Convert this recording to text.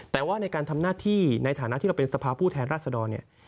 แต่ว่าในการทำหน้าที่ในฐานะที่เราเป็นสภาพผู้แทนราชดรเนี่ย